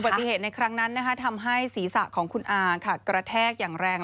ติเหตุในครั้งนั้นทำให้ศีรษะของคุณอากระแทกอย่างแรง